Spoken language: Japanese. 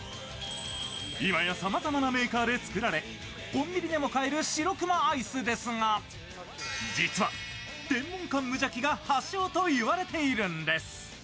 いまやさまざまなメーカーで作られ、コンビニでも買えるしろくまアイスですが実は天文館むじゃきが発祥の地といわれているんです。